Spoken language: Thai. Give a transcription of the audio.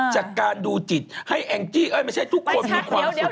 จากการดูจิตให้แองจี้เอ้ยไม่ใช่ทุกคนมีความสุข